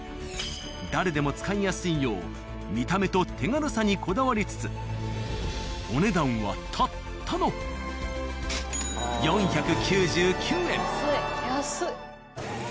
誰でも使いやすよう見た目と手軽さにこだわりつつお値段はたったの安い。